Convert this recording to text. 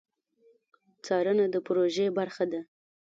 څارنه د پروژې برخه ده